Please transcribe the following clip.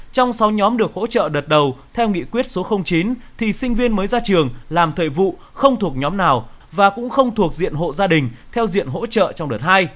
trong sáu nhóm được hỗ trợ đợt đầu theo nghị quyết số chín thì sinh viên mới ra trường làm thời vụ không thuộc nhóm nào và cũng không thuộc diện hộ gia đình theo diện hỗ trợ trong đợt hai